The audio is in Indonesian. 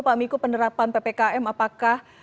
pak miko penerapan ppkm apakah